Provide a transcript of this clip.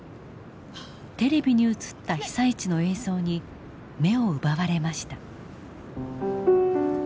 テレビに映った被災地の映像に目を奪われました。